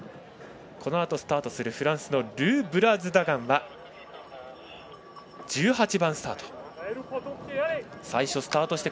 このあとスタートするフランスのルー・ブラーズダガンは１８番スタート。